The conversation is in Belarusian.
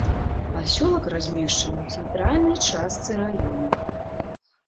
Пасёлак размешчаны ў цэнтральнай частцы раёна.